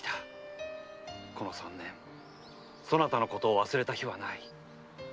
この三年そなたのことを忘れた日はない。